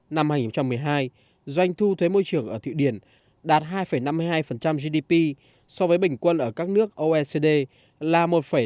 năm hai nghìn một mươi hai doanh thu thuế môi trường ở thụy điển đạt hai năm mươi hai gdp so với bình quân ở các nước oecd là một năm